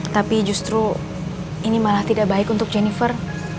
tapi justru ini malah tidak baik untuk jennifer